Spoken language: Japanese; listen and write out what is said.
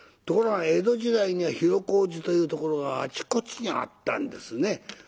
ところが江戸時代には広小路というところがあちこちにあったんですね。